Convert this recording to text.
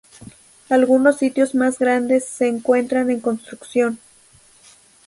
Algunos sitios más grandes se encuentran en construcción.